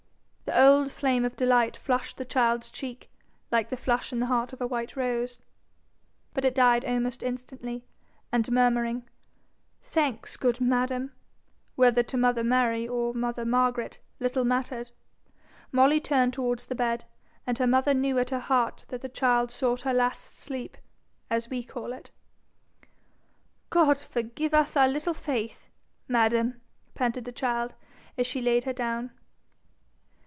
The old flame of delight flushed the child's cheek, like the flush in the heart of a white rose. But it died almost instantly, and murmuring, 'Thanks, good madam!' whether to mother Mary or mother Margaret little mattered, Molly turned towards the bed, and her mother knew at her heart that the child sought her last sleep as we call it, God forgive us our little faith! 'Madam!' panted the child, as she laid her down.